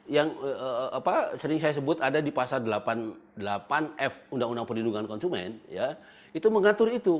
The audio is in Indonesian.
yang sering saya sebut ada di pasar delapan f undang undang pendidikan konsumen itu mengatur itu